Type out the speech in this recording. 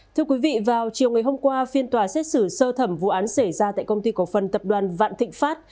thưa quý vị vào chiều ngày hôm qua phiên tòa xét xử sơ thẩm vụ án xảy ra tại công ty cổ phần tập đoàn vạn thịnh pháp